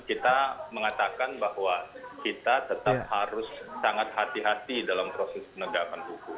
kita mengatakan bahwa kita tetap harus sangat hati hati dalam proses penegakan hukum